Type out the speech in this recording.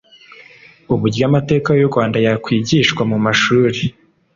uburyo amateka y’u Rwanda yakwigishwa mu mashuri